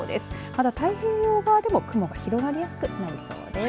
また太平洋側でも雲が広がりやすくなりそうです。